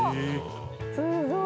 すごい！